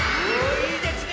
いいですね